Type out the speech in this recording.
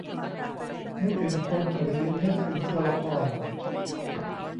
นึกถึงคน หรือนึกถึงตัวละคร ?